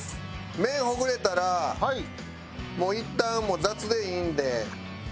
麺ほぐれたらもういったん雑でいいんで。